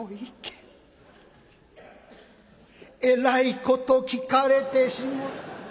えらいこと聞かれてしもた。